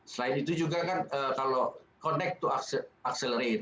selain itu juga kan kalau connect to accelerate